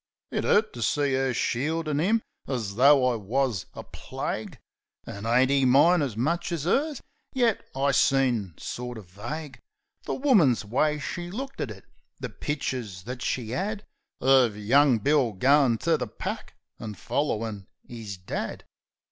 Vi'lits It 'urt to see 'er shieldin' 'im as tho' I wus a plague. An' ain't 'e mine as much as 'ers? Yet, I seen, sort o' vague, The woman's way she looked at it, the picters that she 'ad Uv young Bill goin' to the pack, an' follerin' 'is dad.